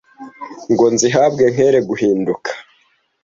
Ngo nzihabwe nkere guhinduka